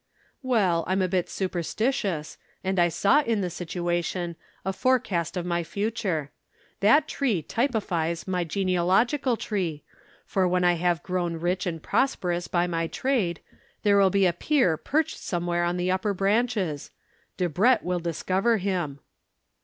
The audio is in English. "Well, I'm a bit superstitious, and I saw in the situation a forecast of my future. That tree typifies my genealogical tree, for when I have grown rich and prosperous by my trade, there will be a peer perched somewhere on the upper branches. Debrett will discover him."